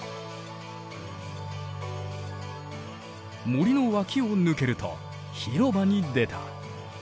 森の脇を抜けると広場に出た。